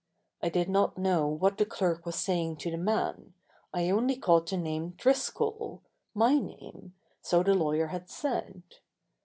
I did not know what the clerk was saying to the man, I only caught the name "Driscoll," my name, so the lawyer had said.